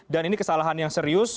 dan ini kesalahan yang serius